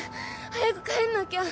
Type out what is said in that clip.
早く帰んなきゃ。